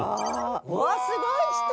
うわすごい人！